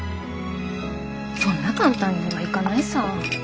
そんな簡単にはいかないさ。